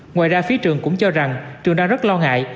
ngoài ra phía trường cũng cho rằng trường đang rất lo ngại